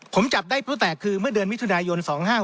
ผมจับได้ผู้แตกคือเมื่อเดือนมิถุนายน๒๕๖๖